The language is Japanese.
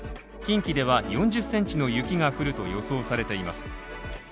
近畿では４０センチの雪が降ると予想されています。